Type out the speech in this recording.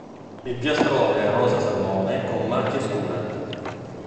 Il piastrone è rosa-salmone con macchie scure.